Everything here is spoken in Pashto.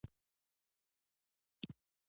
ازادي راډیو د امنیت په اړه د نقدي نظرونو کوربه وه.